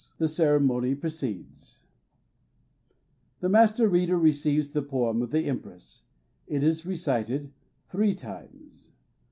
The ceremony proceeds. The Master reader receives the 73 74 THE BOOKMAN poem of the Empress. It is recited three times.